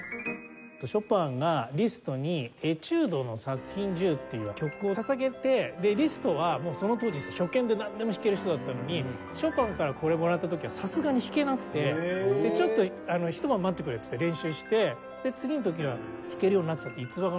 ショパンがリストに『エチュード』の作品１０っていう曲を捧げてリストはその当時初見でなんでも弾ける人だったのにショパンからこれもらった時はさすがに弾けなくてちょっとひと晩待ってくれって言って練習して次の時は弾けるようになってたっていう逸話が残って。